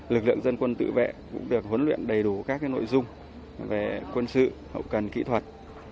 lực lượng dân quân tự vệ cũng được huấn luyện đầy đủ các nội dung về quân sự hậu cần kỹ thuật